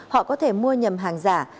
họ có thể mua nhầm hàng giả